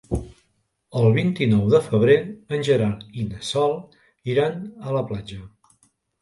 El vint-i-nou de febrer en Gerard i na Sol iran a la platja.